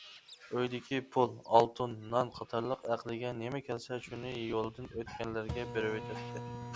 ئۆيدىكى پۇل، ئالتۇن، نان قاتارلىق ئەقلىگە نېمە كەلسە شۇنى يولدىن ئۆتكەنلەرگە بېرىۋېتەتتى.